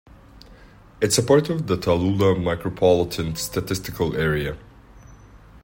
It is part of the Tallulah Micropolitan Statistical Area.